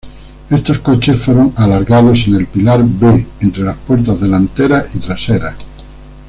Estos coches fueron alargados en el pilar B, entre las puertas delanteras y traseras.